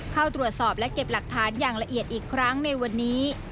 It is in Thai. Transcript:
เข้าตรวจสอบและเก็บหลักฐานอย่างละเอียดอีกครั้งในวันนี้